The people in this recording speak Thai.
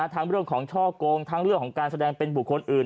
ทั้งเรื่องของช่อกงทั้งเรื่องของการแสดงเป็นบุคคลอื่น